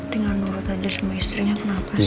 tinggal nurut aja sama istrinya kenapa sih